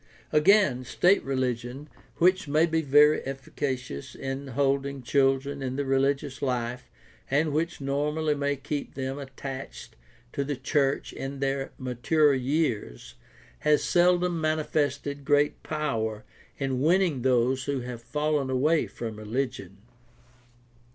Again, state religion, which may be very efficacious in holding children in the religious life and which normally may keep them attached to th,e church in their maturer years, has seldom manifested great power in winning those who have fallen away from religion.